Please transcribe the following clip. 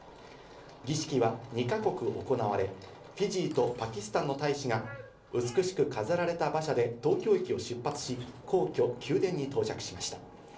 儀式は２か国行われ、フィジーとパキスタンの大使が美しく飾られた馬車で、東京駅を出発し、皇居・宮殿に到着しました。